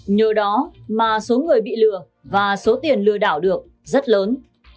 nhờ đó mà số người bị lừa và số tiền lừa đảo được rất lớn